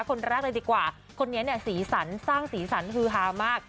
คนแรกเลยดีกว่าคนนี้เนี่ยสีสันสร้างสีสันฮือฮามาก